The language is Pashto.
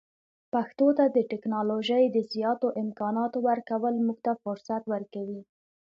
پښتو ته د ټکنالوژۍ د زیاتو امکاناتو ورکول موږ ته فرصت ورکوي.